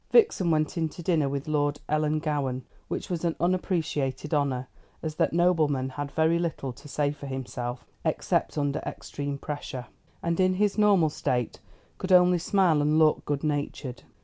Vixen went in to dinner with Lord Ellangowan, which was an unappreciated honour, as that nobleman had very little to say for himself, except under extreme pressure, and in his normal state could only smile and look good natured.